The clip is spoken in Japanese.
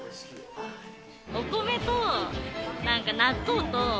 お米と、なんか納豆と。